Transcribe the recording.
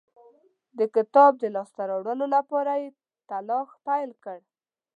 د کتاب د لاسته راوړلو لپاره یې تلاښ پیل کړ.